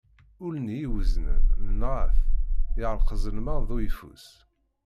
Ul-nni iweznen nenγa-t, yeԑreq ẓelmeḍ d uyeffus.